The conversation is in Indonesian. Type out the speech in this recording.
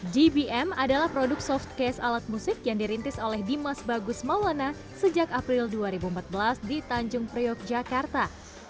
gbm adalah produk softcase alat musik yang dirintis oleh dimas bagus maulana sejak april dua ribu empat belas di tanjung priok jakarta